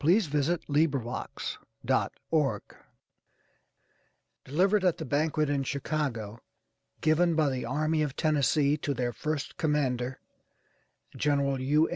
THE BABIES THE BABIES DELIVERED AT THE BANQUET, IN CHICAGO, GIVEN BY THE ARMY OF THE TENNESSEE TO THEIR FIRST COMMANDER, GENERAL U.